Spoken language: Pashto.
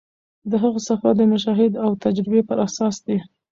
د هغه سفر د مشاهدې او تجربې پر اساس دی.